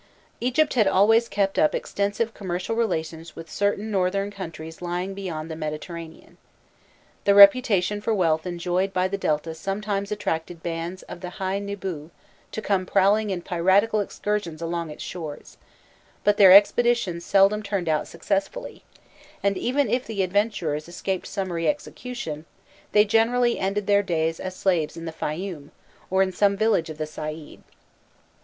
Egypt had always kept up extensive commercial relations with certain northern countries lying beyond the Mediterranean. The reputation for wealth enjoyed by the Delta sometimes attracted bands of the Haiû nîbû to come prowling in piratical excursions along its shores; but their expeditions seldom turned out successfully, and even if the adventurers escaped summary execution, they generally ended their days as slaves in the Fayûm, or in some village of the Said.